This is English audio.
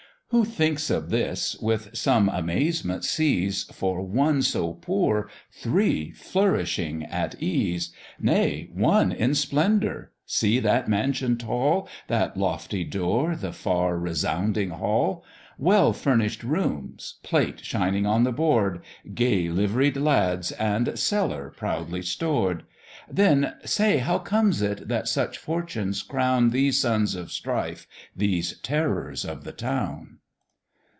Who thinks of this, with some amazement sees, For one so poor, three flourishing at ease; Nay, one in splendour! see that mansion tall, That lofty door, the far resounding hall; Well furnish'd rooms, plate shining on the board, Gay liveried lads, and cellar proudly stored: Then say how comes it that such fortunes crown These sons of strife, these terrors of the town?